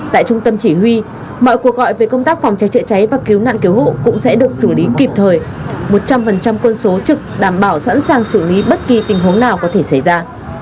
tại trung tâm chỉ huy mọi cuộc gọi về công tác phòng cháy chữa cháy và cứu nạn cứu hộ cũng sẽ được xử lý kịp thời một trăm linh quân số trực đảm bảo sẵn sàng xử lý bất kỳ tình huống nào có thể xảy ra